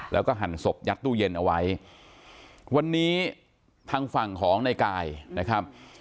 แล้วก็หั่นศพยัดตู้เย็นเอาไว้วันนี้ทางฝั่งของในกายนะครับ